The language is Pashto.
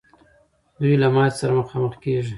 دوی له ماتي سره مخامخ کېږي.